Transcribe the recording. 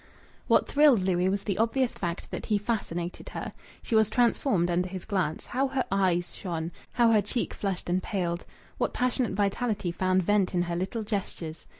What thrilled Louis was the obvious fact that he fascinated her. She was transformed under his glance. How her eyes shone! How her cheek flushed and paled! What passionate vitality found vent in her little gestures!